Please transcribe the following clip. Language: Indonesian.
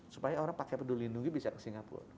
supaya orang pakai peduli lindungi bisa ke singapura